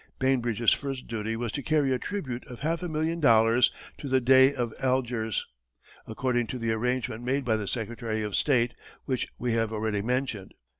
Bainbridge's first duty was to carry a tribute of half a million dollars to the Dey of Algiers, according to the arrangement made by the Secretary of State which we have already mentioned.